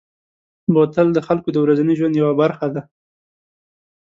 بوتل د خلکو د ورځني ژوند یوه برخه ده.